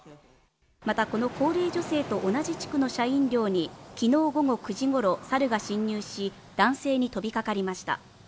またこの高齢女性と同じ地区の社員寮に昨日午後９時頃、サルが侵入し、男性に飛びかかりました。